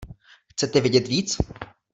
Chcete vědět víc?